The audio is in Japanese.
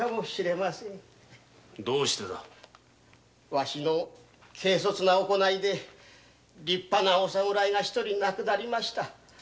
私の軽率な行いで立派なお侍が一人亡くなりました。